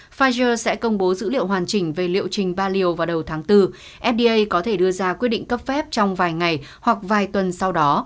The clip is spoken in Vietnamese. pfizer sẽ công bố dữ liệu hoàn chỉnh về liệu trình ba liều vào đầu tháng bốn fda có thể đưa ra quyết định cấp phép trong vài ngày hoặc vài tuần sau đó